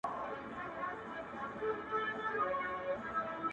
بيا کرار ،کرار د بت و خواته گوري_